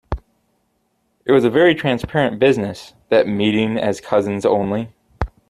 It was a very transparent business, that meeting as cousins only.